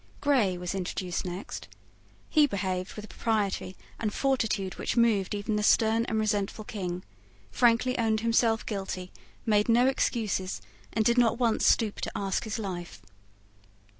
Grey was introduced next. He behaved with a propriety and fortitude which moved even the stern and resentful King, frankly owned himself guilty, made no excuses, and did not once stoop to ask his life.